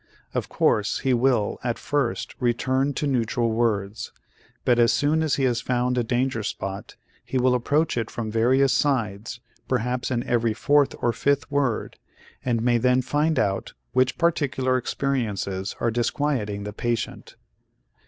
Of course, he will at first return to neutral words, but as soon as he has found a danger spot, he will approach it from various sides, perhaps in every fourth or fifth word, and may then find out which particular experiences are disquieting the patient.